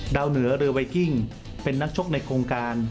เหนือเรือไวกิ้งเป็นนักชกในโครงการ